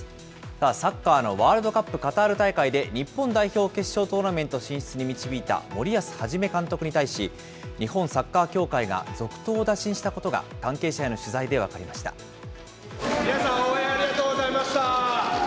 サッカーのワールドカップカタール大会で、日本代表を決勝トーナメント進出に導いた森保一監督に対し、日本サッカー協会が続投を打診したことが関係者への取材で分かり皆さん、応援ありがとうございました。